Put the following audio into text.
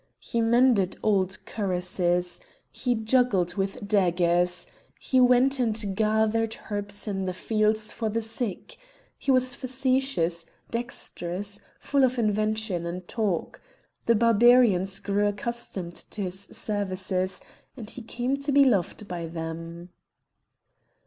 He mended old cuirasses. He juggled with daggers. He went and gathered herbs in the fields for the sick. He was facetious, dexterous, full of invention and talk; the Barbarians grew accustomed to his services, and he came to be loved by them.